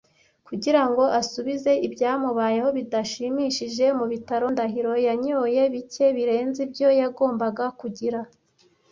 Kugira ngo asubize ibyamubayeho bidashimishije mu bitaro, Ndahiro yanyoye bike birenze ibyo yagombaga kugira.